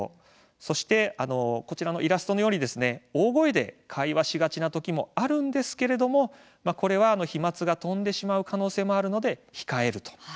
そして、こちらのイラストのように大声で会話しがちな時もありますがこれは飛まつが飛んでしまう可能性もあるので控える。